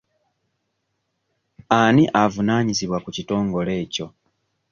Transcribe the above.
Ani avunaanyizibwa ku kitongole ekyo?